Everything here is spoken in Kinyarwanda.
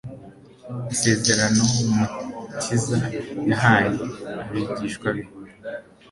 Isezerano Umukiza yahaye abigishwa be,